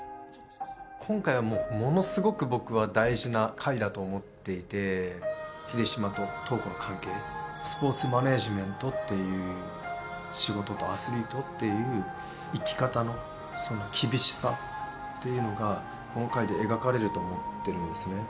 今回はもうものすごく僕は大事な回だと思っていて秀島と塔子の関係スポーツマネージメントっていう仕事とアスリートっていう生き方のその厳しさっていうのがこの回で描かれると思ってるんですね